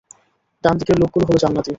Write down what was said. ডান দিকের লোকগুলো হলো জান্নাতী।